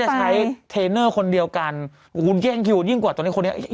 ใช้เทรนเนอร์คนเดียวกันคุณเกลี้ยงคิวยิ่งกว่าตอนนี้คนนี้